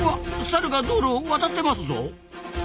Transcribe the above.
サルが道路を渡ってますぞ。